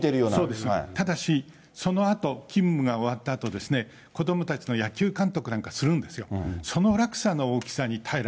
ただし、そのあと勤務が終わったあと、子どもたちの野球監督なんかするんですよ。